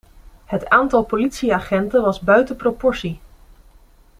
Het aantal politieagenten was buiten proportie.